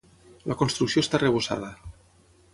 La construcció està arrebossada.